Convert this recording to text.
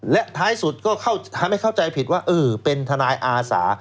และท้ายสุดก็ทำให้เข้าใจผิดว่าเออเป็นทนายอาสา